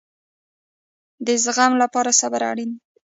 د زغم لپاره صبر اړین دی